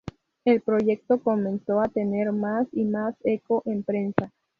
El proyecto comenzó a tener más y más eco en prensa.